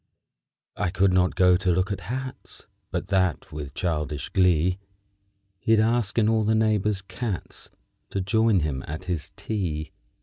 _ _I could not go to look at hats But that, with childish glee, He'd ask in all the neighbors' cats To join him at his tea.